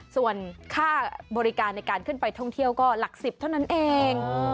ส่วนค่าบริการในการขึ้นไปท่องเที่ยวก็หลัก๑๐เท่านั้นเอง